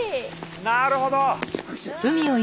なるほど！